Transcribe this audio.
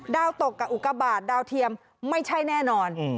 ตกกับอุกบาทดาวเทียมไม่ใช่แน่นอน